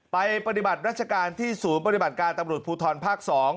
ไปปฏิบัติรัชกาลที่๐ปฏิบัติการตำรวจภูทรภศ